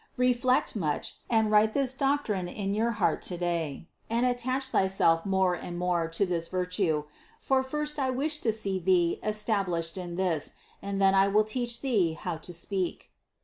Reflect much, and write this doctrine in thy heart today, and attach thyself more and more to this virtue ; for first I wish to see thee established in this, and then I will teach thee how to speak.